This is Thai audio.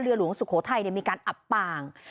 หลวงสุโขทัยมีการอับปาง